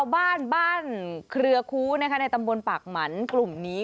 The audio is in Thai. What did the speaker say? บ้านเครือคู้ในตำบลปากหมันกลุ่มนี้